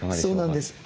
そうなんです。